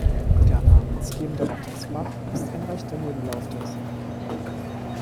Der namensgebende Ottersbach ist ein rechter Nebenlauf der Sieg.